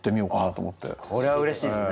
これはうれしいですね。